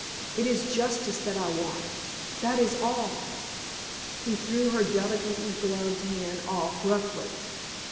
It is justice that I want! That is all!"? He threw her delicately gloved hand off roughly.